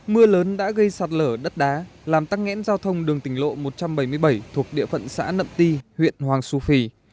mưa lớn đã gây sạt lở đất đá làm tắc nghẽn giao thông đường tỉnh lộ một trăm bảy mươi bảy thuộc địa phận xã nậm ti huyện hoàng su phi